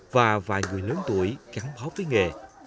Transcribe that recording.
và vài người lớn tuổi gắn bó với nghề